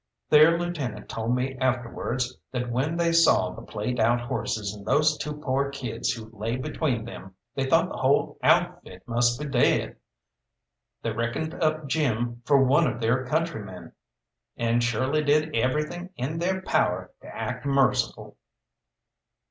Their lieutenant told me afterwards that when they saw the played out horses and those two poor kids who lay between them, they thought the whole outfit must be dead. They reckoned up Jim for one of their countrymen, and surely did everything in their power to act merciful.